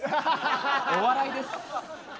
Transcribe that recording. お笑いです。